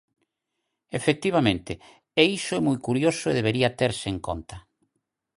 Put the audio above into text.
Efectivamente, e iso é moi curioso e debería terse en conta.